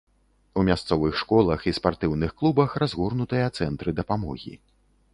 У мясцовых школах і спартыўных клубах разгорнутыя цэнтры дапамогі.